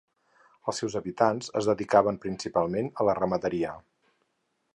Els seus habitants es dedicaven, principalment, a la ramaderia.